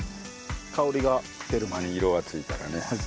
香りが出る前に色が付いたらね。